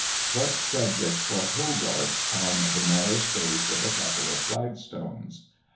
What subjects for Hogarth on the narrow space of a couple of flag stones!